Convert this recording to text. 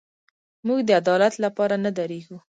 موږ د عدالت لپاره نه درېږو.